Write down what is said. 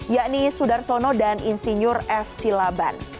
yakni sudarsono dan insinyur f silaban